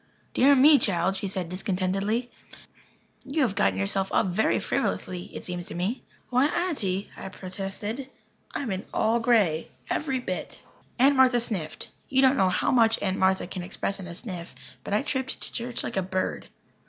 "Dear me, child," she said discontentedly, "you have gotten yourself up very frivolously, it seems to me." "Why, Aunty," I protested, "I'm all in grey every bit." Aunt Martha sniffed. You don't know how much Aunt can express in a sniff. But I tripped to church like a bird.